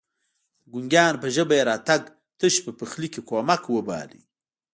د ګونګيانو په ژبه يې راتګ تش په پخلي کې کمک وباله.